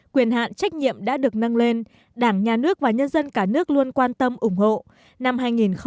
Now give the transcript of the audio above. quyền hạn trách nhiệm đã được nâng lên đảng nhà nước và nhân dân cả nước luôn quan tâm ủng hộ